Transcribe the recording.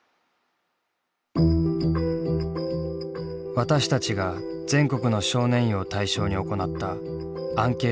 私たちが全国の少年院を対象に行ったアンケート調査。